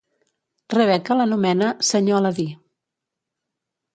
Rebecca l'anomena "Sr. Aladí".